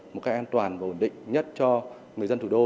một cách an toàn và ổn định nhất cho người dân thủ đô